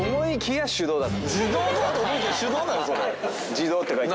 自動って書いて。